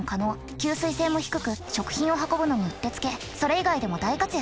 吸水性も低く食品を運ぶのにうってつけそれ以外でも大活躍。